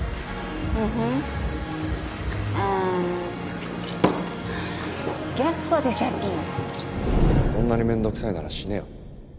そんなに面倒くさいなら死ねよ。